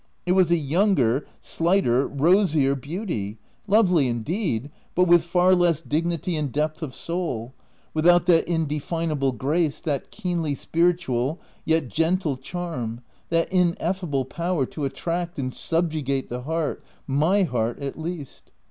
It was a younger, slighter, rosier beauty — lovely, indeed, 288 THE TENANT but with far less dignity and depth of soul — without that indefinable grace, that keenly spirituel yet gentle charm, that ineffable power to attract and subjugate the heart — my heart at least.